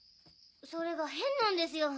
それが変なんですよ。